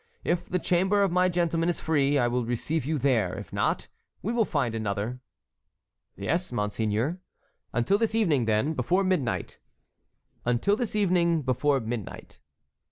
If the chamber of my gentlemen is free, I will receive you there; if not, we will find another." "Yes, monseigneur." "Until this evening then, before midnight." "Until this evening, before midnight."